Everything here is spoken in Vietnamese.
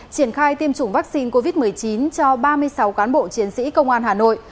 triển khai tiêm chủng vaccine covid một mươi chín cho ba mươi sáu cán bộ chiến sĩ công an hà nội